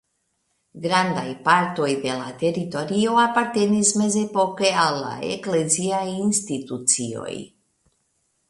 Grandaj partoj de la teritorio apartenis mezepoke al la ekleziaj institucioj.